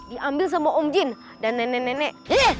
diambil sama om jin dan nenek nenek